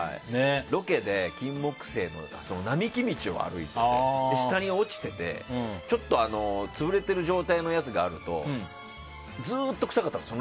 ロケでキンモクセイの並木道を歩いてて下に落ちていて、ちょっと潰れている状態のやつがあるとずっと臭かったんですよ